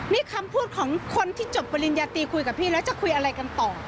นี่คำพูดของคนที่จบปริญญาตีคุยกับพี่แล้วจะคุยอะไรกันต่อ